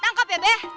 tangkap ya be